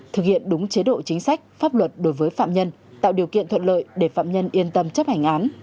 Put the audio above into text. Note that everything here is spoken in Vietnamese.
thực hiện đúng chế độ chính sách pháp luật đối với phạm nhân tạo điều kiện thuận lợi để phạm nhân yên tâm chấp hành án